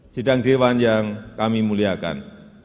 sidang dewan yang kami muliakan